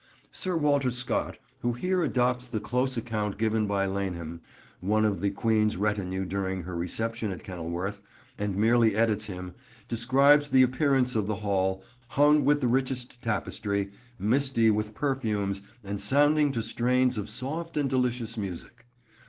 Sir Walter Scott, who here adopts the close account given by Laneham, one of the Queen's retinue during her reception at Kenilworth, and merely edits him, describes the appearance of the Hall, "hung with the richest tapestry, misty with perfumes, and sounding to strains of soft and delicious music.